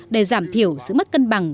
để giảm thiểu sự mất cân bằng